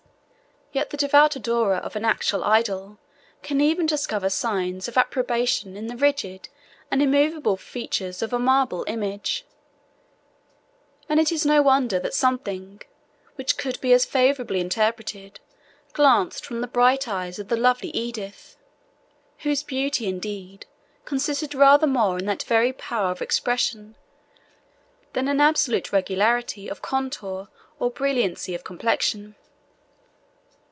Yet the devout adorer of an actual idol can even discover signs of approbation in the rigid and immovable features of a marble image; and it is no wonder that something, which could be as favourably interpreted, glanced from the bright eye of the lovely Edith, whose beauty, indeed, consisted rather more in that very power of expression, than an absolute regularity of contour or brilliancy of complexion.